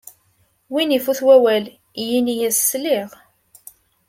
Win ifut wawal, yini-as: sliɣ!